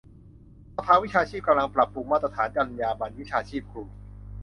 สภาวิชาชีพกำลังปรับปรุงมาตรฐานจรรยาบรรณวิชาชีพครู